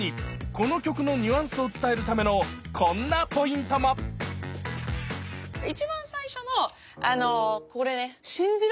この曲のニュアンスを伝えるためのこんなポイントも一番最初のあのこれね信じらんないぐらいこれ引きます。